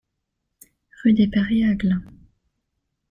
Rue des Perriers à Glun